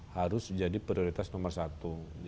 harus jadi prioritas nomor satu